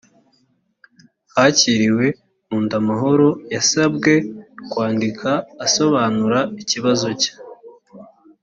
hakiriwe nkundamahoro yasabwe kwandika asobanura ikibazo cye